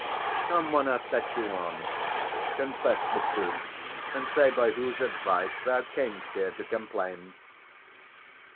Some one hath set you on: Confess the truth, and say by whose advice Thou camest here to complain.